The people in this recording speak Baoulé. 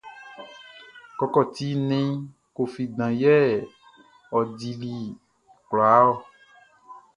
Kɔkɔti nnɛn Koffi dan yɛ ɔ dili kwlaa ɔ.